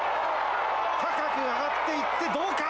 高く上がっていってどうか？